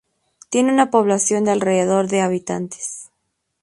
Tiene una población de alrededor de habitantes.